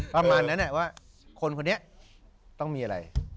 ประมาณนั้นว่าคนคนนี้ต้องมีอะไร